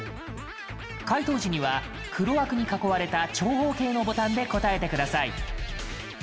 解答時には黒枠に囲われた長方形のボタンで答えてください。